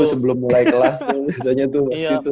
sebelum mulai kelas tuh